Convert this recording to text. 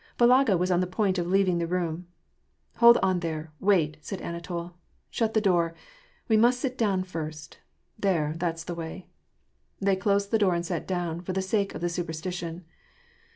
Balaga was on the, point of leaving the room. " Hold on there, wait," said Anatol. " Shut the door. We must sit down first, — there, that's the way." They closed the door and sat down, for the sake of the superstition.